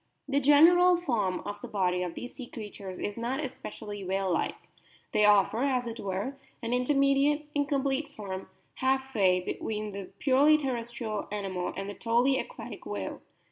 The general form of the body of these sea creatures is not especially whale like ; they offer, as it were, an intermediate, incomplete form, half way between the purely terrestrial animal and the totally aquatic whale.